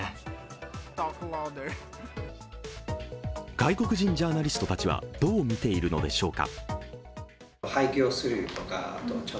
外国人ジャーナリストたちはどう見ているのでしょうか。